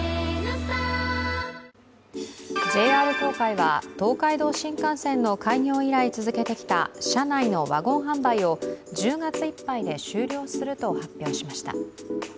ＪＲ東海は東海道新幹線の開業以来続けてきた車内のワゴン販売を１０月いっぱいで終了すると発表しました。